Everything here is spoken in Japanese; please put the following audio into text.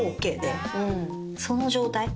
その状態。